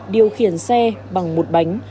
điều khiển xe bằng một bánh